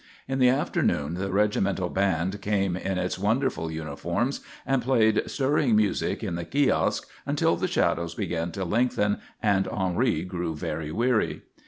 In the afternoon the Regimental Band came in its wonderful uniforms and played stirring music in the kiosk until the shadows began to lengthen and Henri grew very weary.